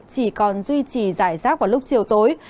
chỉ còn duy trì giải rác vào lúc chiều tối